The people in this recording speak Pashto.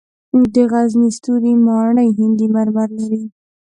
د غزني ستوري ماڼۍ هندي مرمر لري